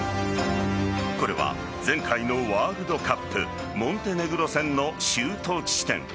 これは前回のワールドカップモンテネグロ戦のシュート地点。